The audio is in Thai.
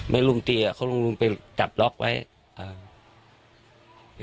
ไม่รุมตรงเตียงอะเขาลงรุมไปจับล็อกไว้เอ่อ